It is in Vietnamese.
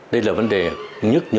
đây là vấn đề nhất